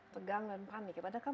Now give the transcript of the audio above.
tegang dan panik ya pada kamu